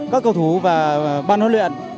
các cầu thủ và ban huấn luyện